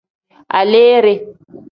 Aleere.